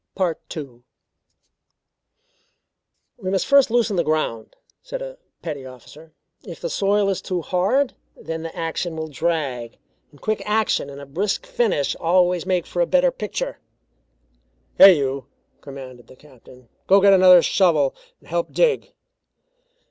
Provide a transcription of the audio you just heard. II "We must first loosen the ground," said a petty officer. "If the soil is too hard, then the action will drag. And quick action and a brisk finish always make for a better picture." "Hey, you!" commanded the Captain. "Go get another shovel and help dig."